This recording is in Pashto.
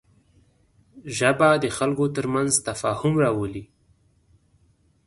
ژبه د خلکو تر منځ تفاهم راولي